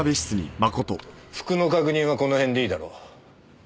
服の確認はこの辺でいいだろう。